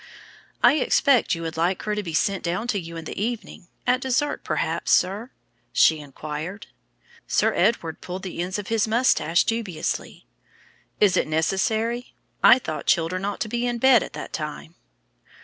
"I expect you would like her to be sent down to you in the evening at dessert, perhaps, sir?" she inquired. Sir Edward pulled the ends of his moustache dubiously. "Is it necessary? I thought children ought to be in bed at that time."